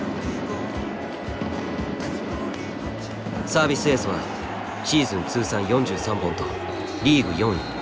サービスエースはシーズン通算４３本とリーグ４位。